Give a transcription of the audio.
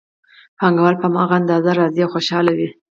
پانګوال په هماغه اندازه راضي او خوشحاله وي